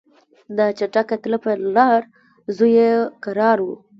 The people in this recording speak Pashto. دا چټکه تله پر لار زوی یې کرار وو